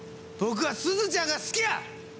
僕はすずちゃんが好きや！